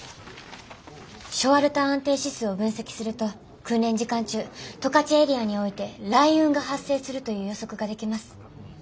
ショワルター安定指数を分析すると訓練時間中十勝エリアにおいて雷雲が発生するという予測ができます。